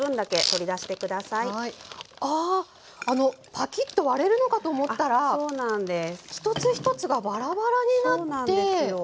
パキッと割れるのかと思ったら一つ一つがばらばらになってお！